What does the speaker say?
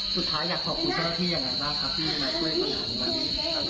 สุดท้ายอยากขอบคุณเจ้าหน้าที่อย่างไรบ้างครับที่มาช่วยปัญหาที่นั้น